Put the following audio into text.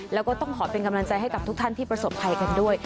แล้วก็ต้องขอเป็นกำลังใจให้กับทุกท่านที่ประสบภัยกันด้วย